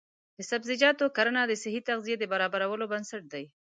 د سبزیجاتو کرنه د صحي تغذیې د برابرولو بنسټ دی.